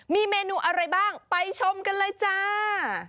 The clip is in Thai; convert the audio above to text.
มีเมนูอะไรบ้างไปชมกันเลยจ้า